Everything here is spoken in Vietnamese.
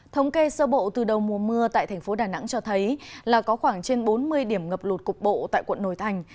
thống kê sơ bộ từ đầu mùa mưa tại thành phố đà nẵng cho thấy là có khoảng trên bốn mươi điểm ngập lụt cục bộ tại quận nồi thành